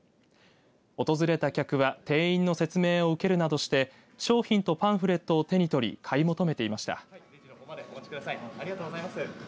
訪れた客は店員の説明を受けるなどして商品とパンフレットを手に取り買い求めていました。